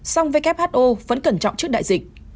song who vẫn cẩn trọng trước đại dịch